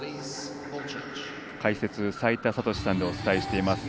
解説、齋田悟司さんでお伝えしています。